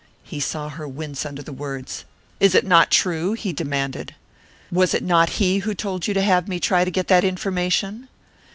He saw her wince under the words. "Is it not true?" he demanded. "Was it not he who told you to have me try to get that information?"